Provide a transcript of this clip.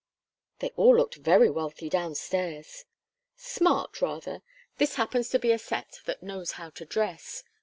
"They all looked very wealthy down stairs." "Smart, rather. This happens to be a set that knows how to dress.